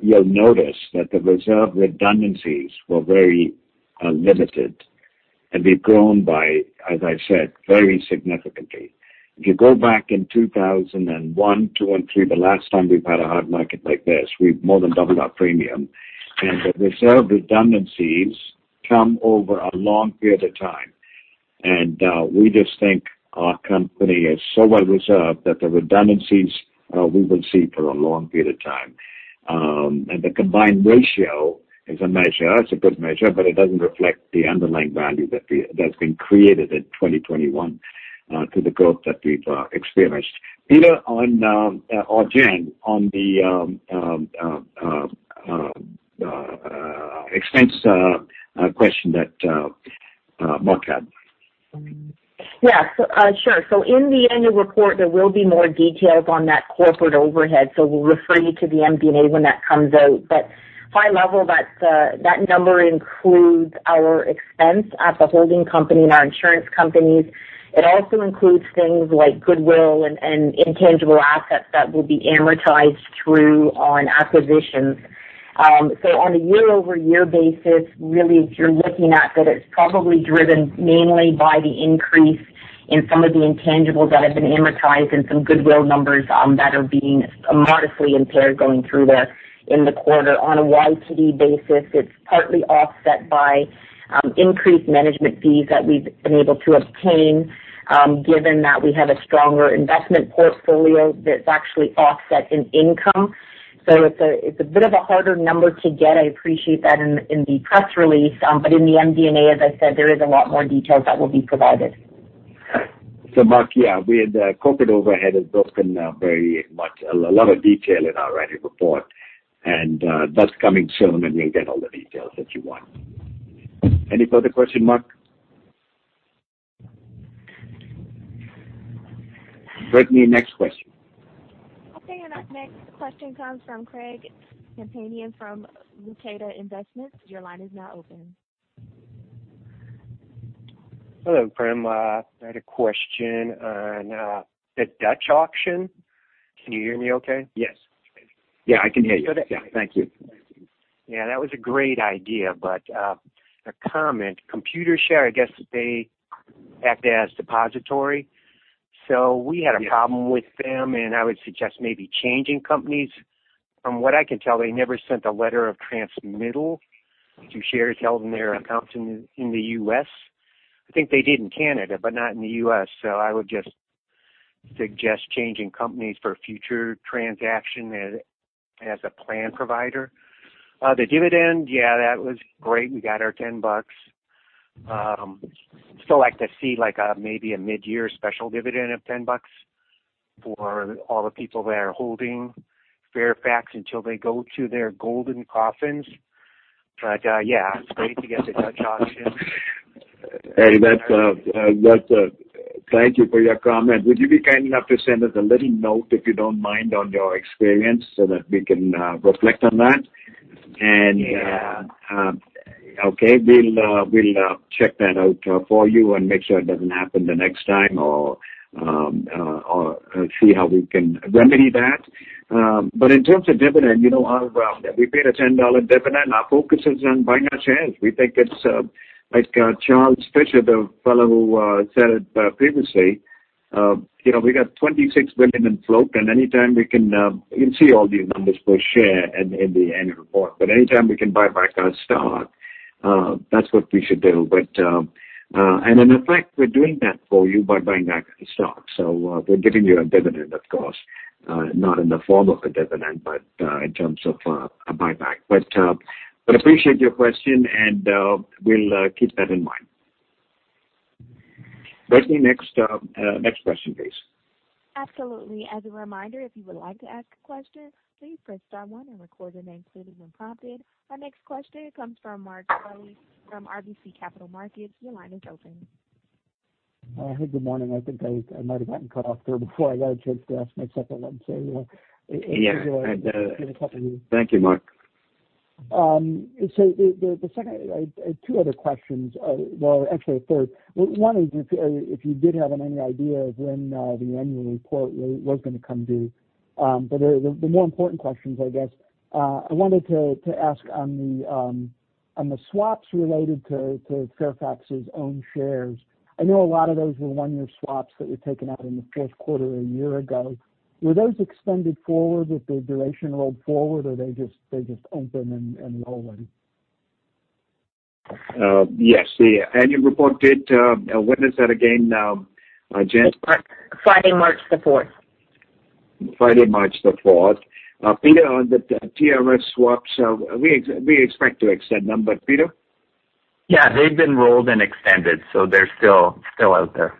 you'll notice that the reserve redundancies were very limited. We've grown by, as I said, very significantly. If you go back in 2001, 2002 and 2003, the last time we've had a hard market like this, we've more than doubled our premium. The reserve redundancies come over a long period of time. We just think our company is so well reserved that the redundancies we will see for a long period of time. The combined ratio is a measure. It's a good measure, but it doesn't reflect the underlying value that's been created in 2021 to the growth that we've experienced. Peter or Jen, on the expense question that Mark had. Yes, sure. In the annual report, there will be more details on that corporate overhead. We'll refer you to the MD&A when that comes out. High level, that number includes our expense at the holding company and our insurance companies. It also includes things like goodwill and intangible assets that will be amortized through on acquisitions. On a year-over-year basis, really, if you're looking at that, it's probably driven mainly by the increase in some of the intangibles that have been amortized and some goodwill numbers that are being modestly impaired going through the, in the quarter. On a YTD basis, it's partly offset by increased management fees that we've been able to obtain, given that we have a stronger investment portfolio that's actually offset in income. It's a bit of a harder number to get. I appreciate that in the press release. But in the MD&A, as I said, there is a lot more details that will be provided. Mark, yeah, we had the corporate overhead has broken up very much. A lot of detail in our annual report. That's coming soon, and you'll get all the details that you want. Any further question, Mark? Brittany, next question. Okay. Our next question comes from Craig Campanian from Leucadia Investments. Your line is now open. Hello, Prem. I had a question on the Dutch Auction. Can you hear me okay? Yes. Yeah, I can hear you. So the- Yeah. Thank you. Yeah, that was a great idea. A comment. Computer share, I guess, they act as depository. We had- Yes. A problem with them, and I would suggest maybe changing companies. From what I can tell, they never sent a letter of transmittal to shares held in their accounts in the U.S. I think they did in Canada, but not in the U.S. I would just suggest changing companies for future transaction as a plan provider. The dividend, yeah, that was great. We got our $10. Still like to see, like, maybe a midyear special dividend of $10 for all the people that are holding Fairfax until they go to their golden coffins. Yeah, it's great to get the Dutch auction. Hey, that's thank you for your comment. Would you be kind enough to send us a little note, if you don't mind, on your experience so that we can reflect on that? Yeah. Okay. We'll check that out for you and make sure it doesn't happen the next time or see how we can remedy that. In terms of dividend, you know, we paid a $10 dividend. Our focus is on buyback shares. We think it's like Charles Frischer, the fellow who said it previously, you know, we got $26 billion in float, and anytime we can. You can see all these numbers per share in the annual report. Anytime we can buy back our stock, that's what we should do. In effect, we're doing that for you by buying back the stock. We're giving you a dividend, of course, not in the form of a dividend, but in terms of a buyback. Appreciate your question, and we'll keep that in mind. Brittany, next question, please. Absolutely. As a reminder, if you would like to ask a question, please press star one and record your name clearly when prompted. Our next question comes from Mark Dwelle from RBC Capital Markets. Your line is open. Good morning. I think I might have gotten cut off there before I got a chance to ask my second one, so. Thank you, Mark. I have two other questions. Well, actually a third. One is if you did have any idea of when the annual report was gonna come due. But the more important questions, I guess, I wanted to ask on the swaps related to Fairfax's own shares. I know a lot of those were one-year swaps that were taken out in the fourth quarter a year ago. Were those extended forward if the duration rolled forward or they just opened and rolling? Yes. The annual report date, when is that again, Jen? It's Friday, March the fourth. Friday, March the fourth. Peter, on the TRS swaps, we expect to extend them. Peter? Yeah, they've been rolled and extended, so they're still out there.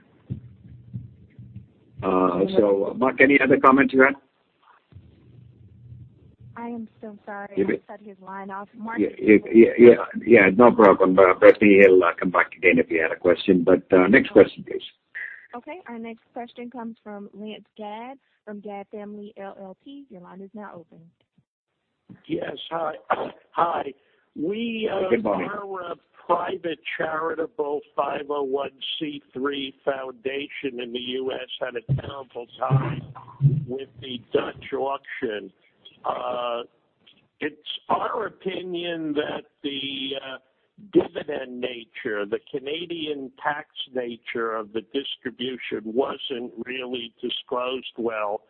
Mark, any other comments you had? I am so sorry. I cut his line off. Mark- Yeah, no problem. Brittany, he'll come back again if he had a question. Next question, please. Okay. Our next question comes from Lance Gadd from Gadd Family LLP. Your line is now open. Yes. Hi. Hi. We, Good morning. We're a private charitable 501(c)(3) foundation in the U.S., had a terrible time with the Dutch Auction. It's our opinion that the dividend nature, the Canadian tax nature of the distribution wasn't really disclosed well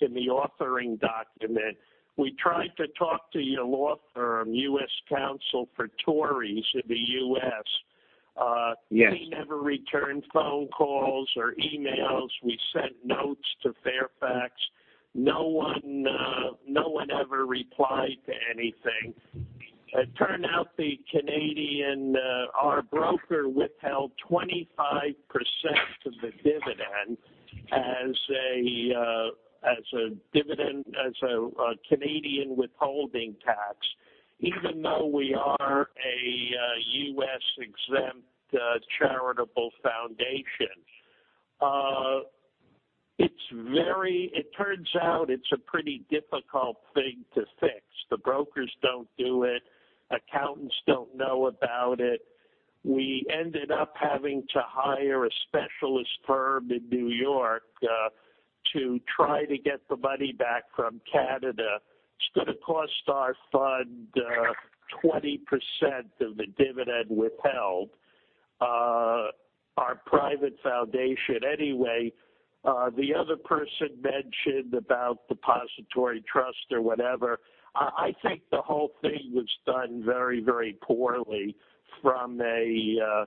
in the offering document. We tried to talk to your law firm, U.S. counsel for Torys in the U.S. Yes. They never returned phone calls or emails. We sent notes to Fairfax. No one ever replied to anything. It turned out the Canadian, our broker withheld 25% of the dividend as a dividend as a Canadian withholding tax, even though we are a U.S.-exempt charitable foundation. It turns out it's a pretty difficult thing to fix. The brokers don't do it. Accountants don't know about it. We ended up having to hire a specialist firm in New York to try to get the money back from Canada. It's gonna cost our fund 20% of the dividend withheld, our private foundation. Anyway, the other person mentioned about depository trust or whatever. I think the whole thing was done very, very poorly from a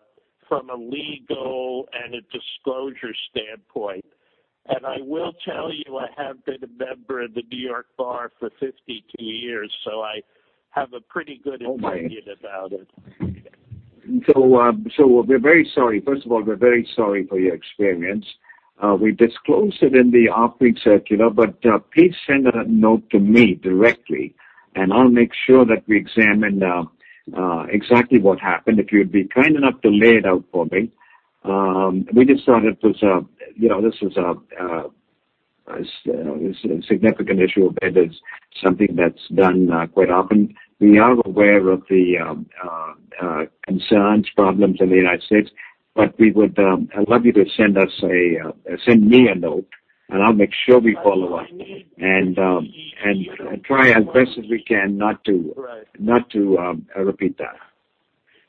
legal and a disclosure standpoint. I will tell you, I have been a member of the New York Bar for 52 years, so I have a pretty good Okay. Opinion about it. We're very sorry. First of all, we're very sorry for your experience. We disclosed it in the operating circular, but please send a note to me directly, and I'll make sure that we examine exactly what happened. If you'd be kind enough to lay it out for me. We just thought it was, you know, this is a significant issue, and it's something that's done quite often. We are aware of the concerns, problems in the United States, but we would, I'd love you to send me a note, and I'll make sure we follow up. Try as best as we can not to- Right. not to repeat that.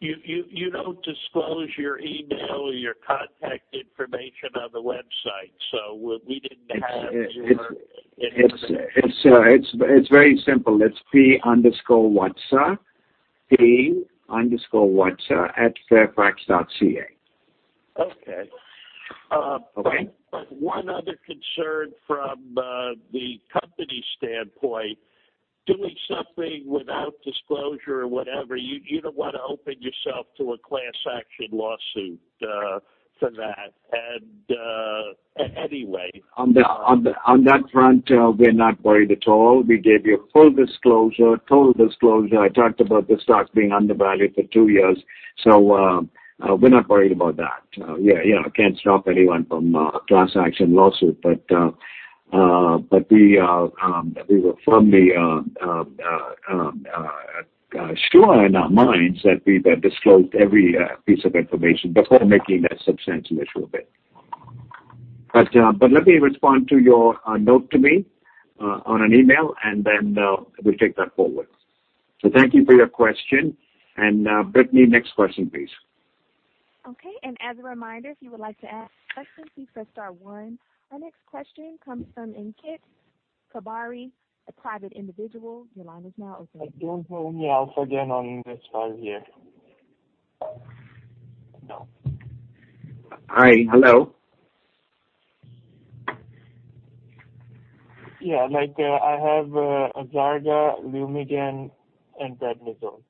You don't disclose your email or your contact information on the website, so we didn't have your information. It's very simple. It's P_Watsa. P_Watsa@fairfax.ca. Okay. Okay. One other concern from the company standpoint, doing something without disclosure or whatever, you don't want to open yourself to a class action lawsuit for that. Anyway. On that front, we're not worried at all. We gave you full disclosure, total disclosure. I talked about the stocks being undervalued for two years, we're not worried about that. Yeah, you know, can't stop anyone from a transaction lawsuit. But we were firmly sure in our minds that we had disclosed every piece of information before making that substantial issuer bid. But let me respond to your note to me in an email, and then we'll take that forward. Thank you for your question. Brittany, next question, please. Okay, as a reminder, if you would like to ask a question, please press star one. Our next question comes from Inkit Kabari, a private individual. Your line is now open. Don't throw me out again on this call here. No. Hi. Hello? Yeah. Like, I have Azarga, Lumigan, and Dorzox.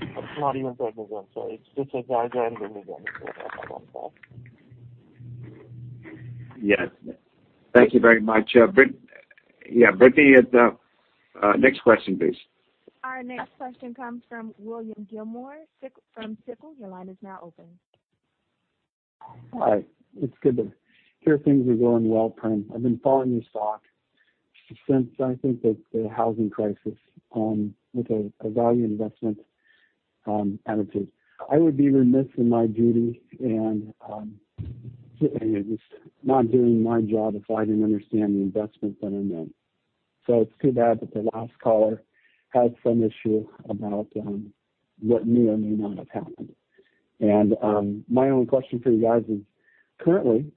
It's not even Dorzox. Sorry. It's just Azarga and Lumigan is what I have on file. Yes. Thank you very much. Brittany, next question, please. Our next question comes from William Gilmore Sickle from Sickle. Your line is now open. Hi. It's good to hear things are going well, Prem. I've been following your stock since I think that the housing crisis, with a value investment attitude. I would be remiss in my duty and just not doing my job if I didn't understand the investments that I made. It's too bad that the last caller had some issue about what may or may not have happened. My only question for you guys is, currently,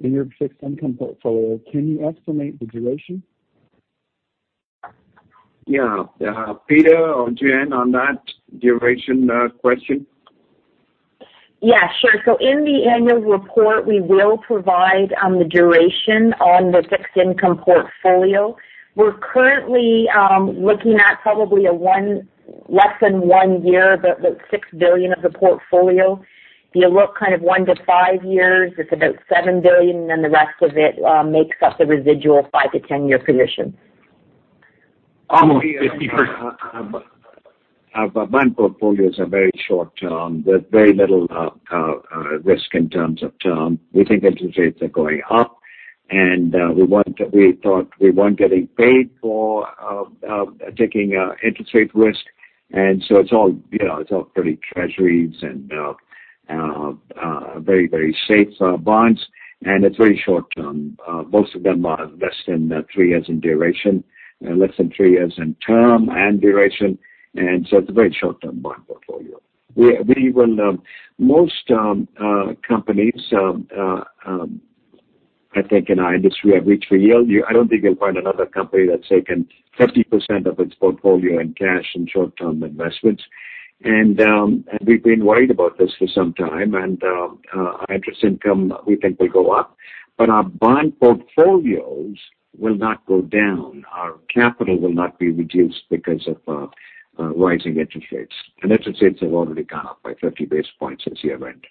in your fixed income portfolio, can you estimate the duration? Yeah. Yeah. Peter or Jen on that duration question? Yeah, sure. In the annual report, we will provide the duration on the fixed income portfolio. We're currently looking at probably less than one year, about $6 billion of the portfolio. If you look kind of one to five years, it's about $7 billion, and the rest of it makes up the residual five-10-year position. Almost 50%. Our bond portfolios are very short-term with very little risk in terms of term. We think interest rates are going up, and we thought we weren't getting paid for taking interest rate risk. It's all pretty Treasuries and very safe bonds, and it's very short term. Most of them are less than three years in duration, less than three years in term and duration. It's a very short-term bond portfolio. We will. Most companies I think in our industry have reached for yield. I don't think you'll find another company that's taken 30% of its portfolio in cash and short-term investments. We've been worried about this for some time. Our interest income, we think will go up. Our bond portfolios will not go down. Our capital will not be reduced because of rising interest rates. Interest rates have already gone up by 50 basis points since year-end.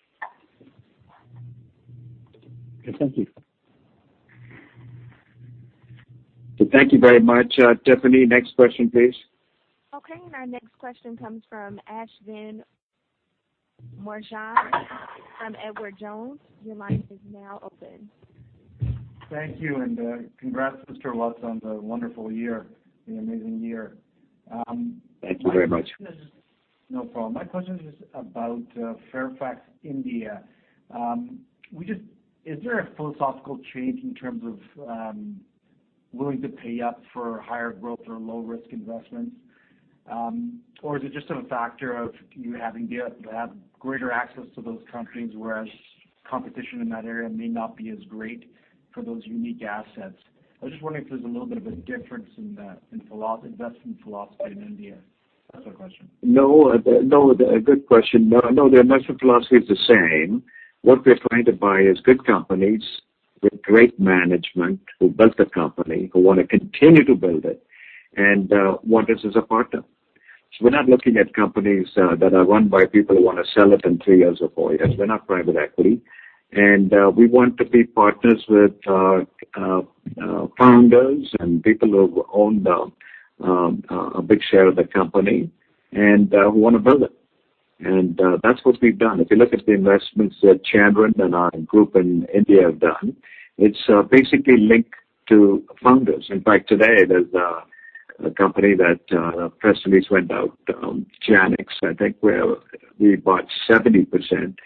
Okay. Thank you. Thank you very much. Britney, next question, please. Okay. Our next question comes from Ashvin Moorjani from Edward Jones. Your line is now open. Thank you, and congrats, Mr. Watsa, on the wonderful year, the amazing year. Thank you very much. No problem. My question is about Fairfax India. Is there a philosophical change in terms of willing to pay up for higher growth or low risk investments? Or is it just a factor of you having the greater access to those countries, whereas competition in that area may not be as great for those unique assets? I was just wondering if there's a little bit of a difference in the investment philosophy in India. No, a good question. The investment philosophy is the same. What we're trying to buy is good companies with great management who built the company, who wanna continue to build it, and want us as a partner. We're not looking at companies that are run by people who wanna sell it in three years or four years. We're not private equity. We want to be partners with founders and people who own a big share of the company and who wanna build it. That's what we've done. If you look at the investments that Chandran and our group in India have done, it's basically linked to founders. In fact, today, there's a company that a press release went out, Janux, I think, where we bought 70%.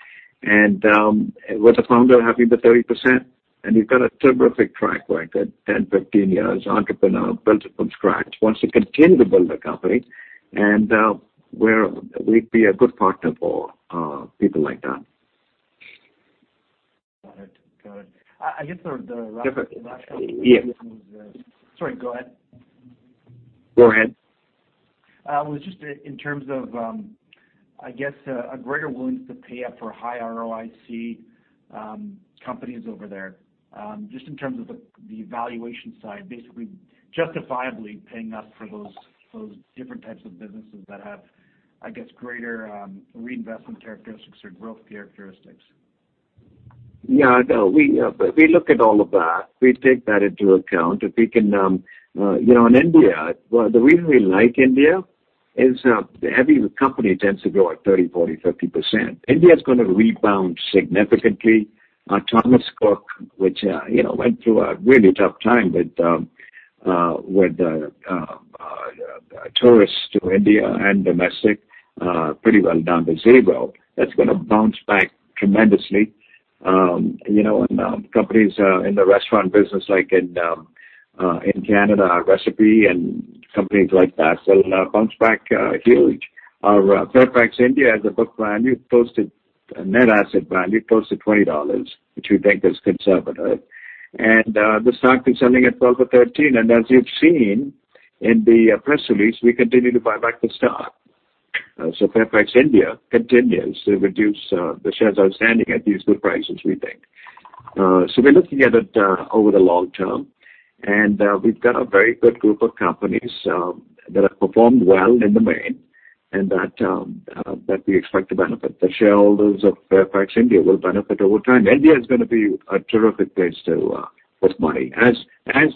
With the founder having the 30%, and we've got a terrific track record, 10, 15 years, entrepreneur, built it from scratch, wants to continue to build the company. We'd be a good partner for people like that. Got it. I guess the last. Yes. Sorry, go ahead. Go ahead. In terms of, I guess, a greater willingness to pay up for high ROIC companies over there, just in terms of the valuation side, basically justifiably paying up for those different types of businesses that have, I guess, greater reinvestment characteristics or growth characteristics. Yeah, no, we look at all of that. We take that into account. You know, in India, well, the reason we like India is every company tends to grow at 30%, 40%, 50%. India's gonna rebound significantly. Thomas Cook, which, you know, went through a really tough time with tourists to India and domestic pretty well down to zero, that's gonna bounce back tremendously. You know, and companies in the restaurant business like in Canada, Recipe and companies like that will bounce back huge. Our Fairfax India has a book value close to net asset value close to $20, which we think is conservative. The stock is selling at $12 or $13. As you've seen in the press release, we continue to buy back the stock. Fairfax India continues to reduce the shares outstanding at these good prices, we think. We're looking at it over the long-term, and we've got a very good group of companies that have performed well in the main, and that we expect to benefit. The shareholders of Fairfax India will benefit over time. India is gonna be a terrific place to put money. As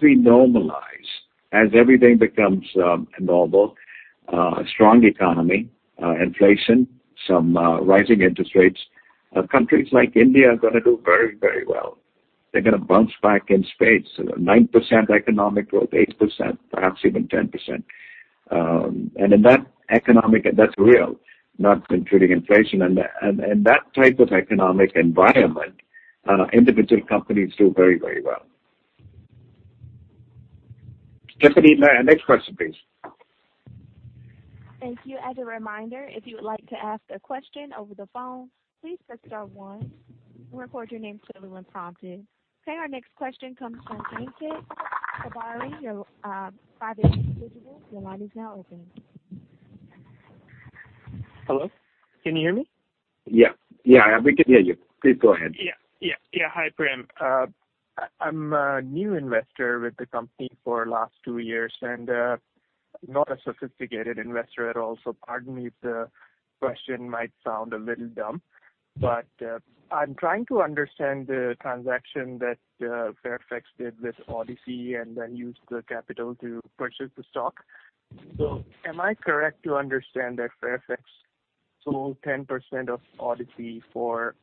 we normalize, as everything becomes normal, strong economy, inflation, some rising interest rates, countries like India are gonna do very, very well. They're gonna bounce back in spades. 9% economic growth, 8%, perhaps even 10%. That's real, not including inflation. that type of economic environment, individual companies do very, very well. Britney, next question, please. Thank you. As a reminder, if you would like to ask a question over the phone, please press star one and record your name clearly when prompted. Okay, our next question comes from Ankit Obari. Your line is now open. Hello, can you hear me? Yeah. Yeah, we can hear you. Please go ahead. Hi, Prem. I'm a new investor with the company for last two years and not a sophisticated investor at all, so pardon me if the question might sound a little dumb. I'm trying to understand the transaction that Fairfax did with Odyssey and then used the capital to purchase the stock. Am I correct to understand that Fairfax sold 10% of Odyssey for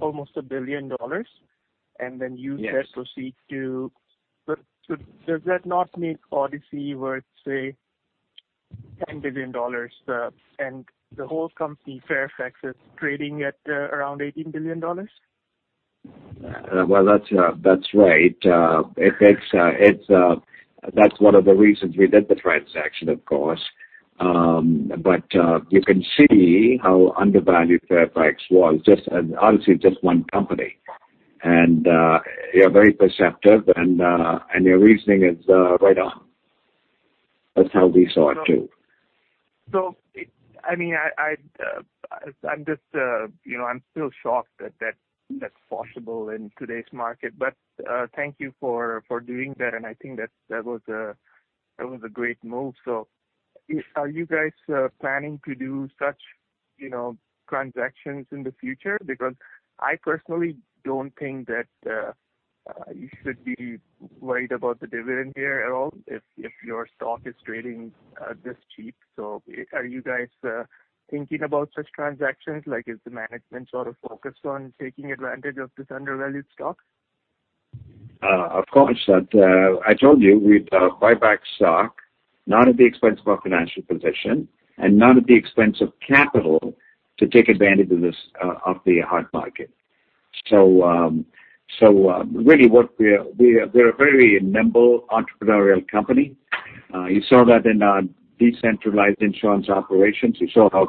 almost $1 billion, and then used that- Yes. Does that not make Odyssey worth, say, $10 billion? The whole company, Fairfax, is trading at around $18 billion. Well, that's right. That's one of the reasons we did the transaction, of course. You can see how undervalued Fairfax was. Just, Odyssey is just one company. You're very perceptive, and your reasoning is right on. That's how we saw it too. I mean, I'm just, you know, I'm still shocked that that's possible in today's market. Thank you for doing that, and I think that was a great move. Are you guys planning to do such, you know, transactions in the future? Because I personally don't think that you should be worried about the dividend here at all if your stock is trading this cheap. Are you guys thinking about such transactions? Like, is the management sort of focused on taking advantage of this undervalued stock? Of course. That I told you we'd buy back stock, not at the expense of our financial position and not at the expense of capital to take advantage of this hot market. Really, we're a very nimble entrepreneurial company. You saw that in our decentralized insurance operations. You saw how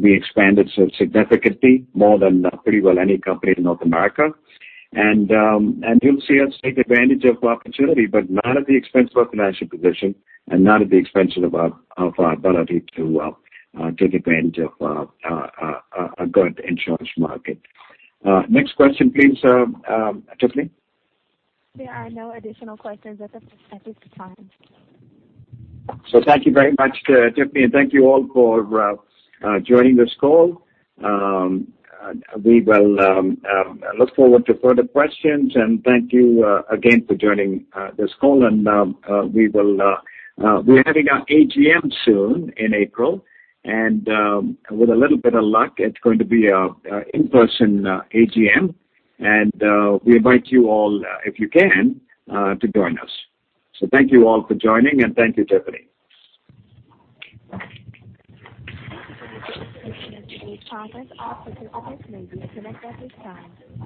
we expanded so significantly more than pretty well any company in North America. You'll see us take advantage of opportunity, but not at the expense of our financial position and not at the expense of our ability to take advantage of a good insurance market. Next question, please, Britney. There are no additional questions at this time. Thank you very much, Tiffany, and thank you all for joining this call. We will look forward to further questions, and thank you again for joining this call. We're having our AGM soon in April. With a little bit of luck, it's going to be an in-person AGM. We invite you all, if you can, to join us. Thank you all for joining, and thank you, Tiffany. Thank you for your participation in today's conference. Opportunities to disconnect at this time.